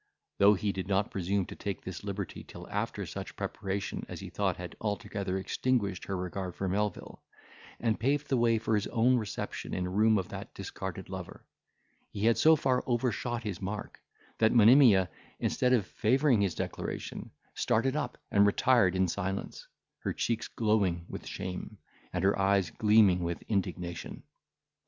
Though he did not presume to take this liberty till after such preparation as he thought had altogether extinguished her regard for Melvil, and paved the way for his own reception in room of that discarded lover, he had so far overshot his mark, that Monimia, instead of favouring his declaration, started up, and retired in silence, her cheeks glowing with shame, and her eyes gleaming with indignation.